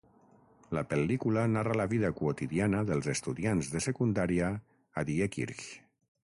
La pel·lícula narra la vida quotidiana dels estudiants de secundària a Diekirch.